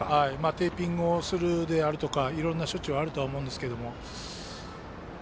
テーピングをするとかいろんな処置はあると思いますが。